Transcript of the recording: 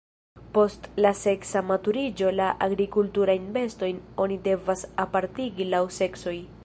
Post la seksa maturiĝo la agrikulturajn bestojn oni devas apartigi laŭ seksoj.